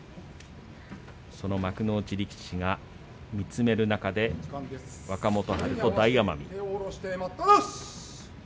その幕内力士が見つめる中で若元春と大奄美。